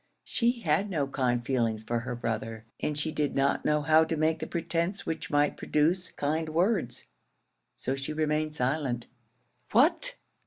She had no kind feelings for her brother, and she did not know how to make the pretence which might produce kind words; so she remained silent. "What!